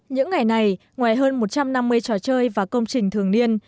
những ngày này ngoài hơn một trăm năm mươi trò chơi và công trình thường niên